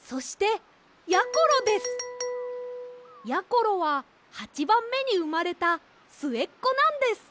ころは８ばんめにうまれたすえっこなんです！